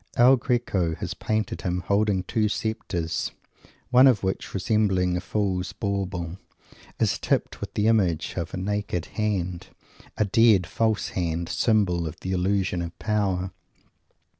El Greco has painted him holding two sceptres, one of which, resembling a Fool's Bauble, is tipped with the image of a naked hand a dead, false hand symbol of the illusion of Power.